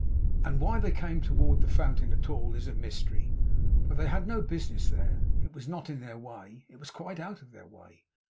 And why they came toward the Fountain at all is a mystery; for they had no business there. It was not in their way. It was quite out of their way.